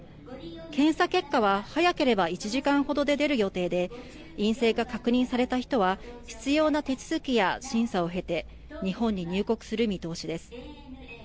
検査結果は早ければ１時間ほどで出る予定で陰性が確認された人は必要な手続きや審査を経て日本に入国する見通しです。